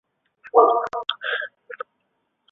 简称新影世纪。